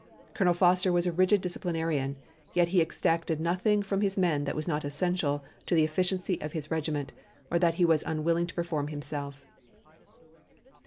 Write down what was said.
Colonel Foster was a rigid disciplinarian, yet he exacted nothing from his men that was not essential to the efficiency of his regiment, or that he was unwilling to perform himself.